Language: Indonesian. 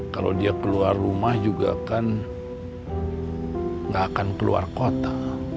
kalau dia keluar rumah juga kan gak akan keluar kota